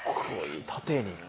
縦に。